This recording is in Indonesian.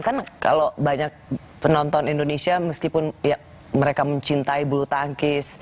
kan kalau banyak penonton indonesia meskipun mereka mencintai bulu tangkis